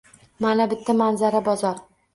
Mana bitta manzara – bozor.